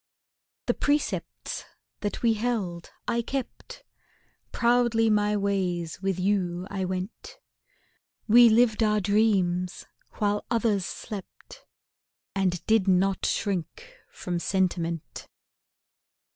The precepts that we held I kept; Proudly my ways with you I went: We lived our dreams while others slept, And did not shrink from sentiment.